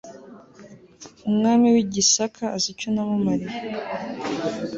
umwamiwi Gisaka azi icyo namumariye